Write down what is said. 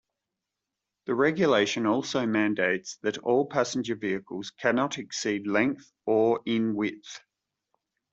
This regulation also mandates that all passenger vehicles cannot exceed length or in width.